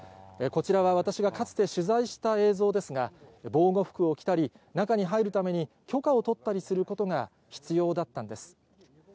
こちらは私がかつて取材した映像ですが、防護服を着たり、中に入るために、許可を取ったりすることが必要だったんです。